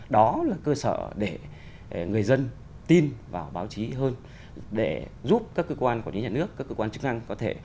đó là cơ sở để người dân tin vào báo chí hơn để giúp các cơ quan quản lý nhà nước các cơ quan chức năng có thể